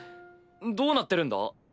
どうなってるんだ？